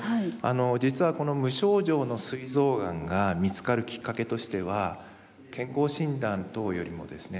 実はこの無症状のすい臓がんが見つかるきっかけとしては健康診断等よりもですね